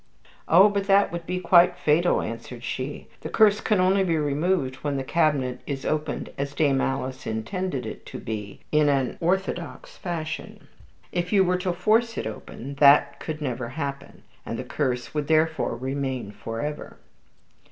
"Oh, but that would be quite fatal," answered she. "The curse can only be removed when the cabinet is opened as Dame Alice intended it to be, in an orthodox fashion. If you were to force it open, that could never happen, and the curse would therefore remain for ever."